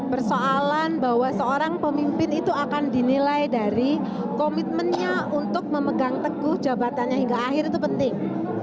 persoalan bahwa seorang pemimpin itu akan dinilai dari komitmennya untuk memegang teguh jabatannya hingga akhir itu penting